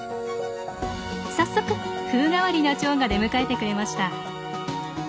早速風変わりなチョウが出迎えてくれました。